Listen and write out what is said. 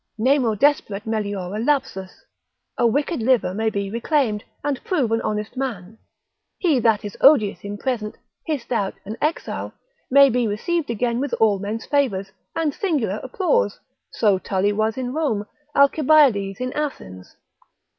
Nemo desperet meliora lapsus, a wicked liver may be reclaimed, and prove an honest man; he that is odious in present, hissed out, an exile, may be received again with all men's favours, and singular applause; so Tully was in Rome, Alcibiades in Athens.